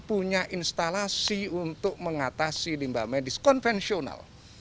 punya instalasi untuk mengatasi limbah medis konvensional